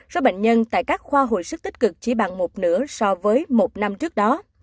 số bệnh nhân tại các khoa hồi sức tích cực chỉ bằng một nửa so với một năm trước đó